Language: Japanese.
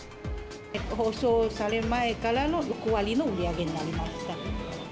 放送される前からの６割の売り上げになりました。